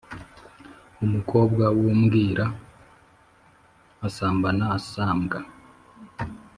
Umukobwa w’ubwira asambana asabwa.